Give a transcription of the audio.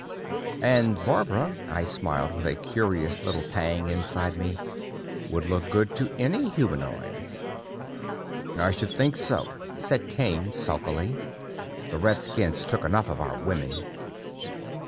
"And Barbara," I smiled, with a curious little pang inside me, "would look good to any humanoid." "I should think so," said Kane sulkily. "The redskins took enough of our women."